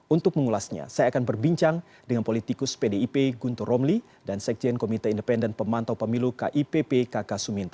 untuk mengulasnya saya akan berbincang dengan politikus pdip guntur romli dan sekjen komite independen pemantau pemilu kipp kk suminto